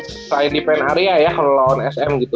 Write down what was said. selain di pen area ya kalo lawan sm gitu